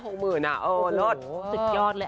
โอ้โหเลิศสุดยอดเลย